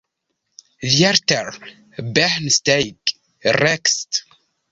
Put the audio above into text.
Vierter Bahnsteig, rechts!